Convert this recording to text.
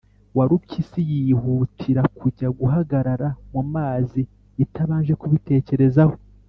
warupyisi yihutira kujya guhagarara mu mazi itabanje kubitekerezaho